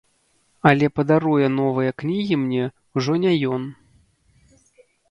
Але падаруе новыя кнігі мне ўжо не ён.